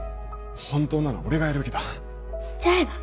本当なら俺がやるべきしちゃえば？